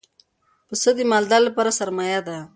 پسه د مالدار لپاره سرمایه ده.